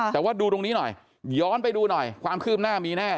แต่ว่าดูตรงนี้หน่อยย้อนไปดูหน่อยความคืบหน้ามีแน่